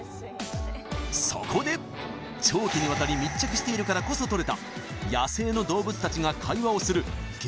そこで長期にわたり密着しているからこそ撮れた野生の動物達が会話をする激